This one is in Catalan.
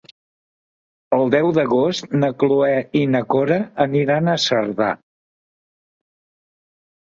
El deu d'agost na Cloè i na Cora aniran a Cerdà.